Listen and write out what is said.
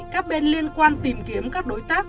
các bên liên quan tìm kiếm các đối tác